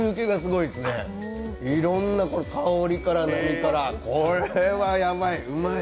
いろんな香りから何から、これはやばい、うまい。